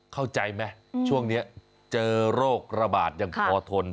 เข้าใจไหมช่วงนี้เจอโรคระบาดยังพอทน